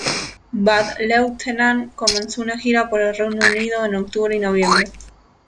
Bad Lieutenant comenzó una gira por el Reino Unido en octubre y noviembre.